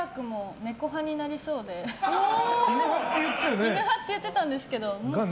犬派って言ってたんですけど。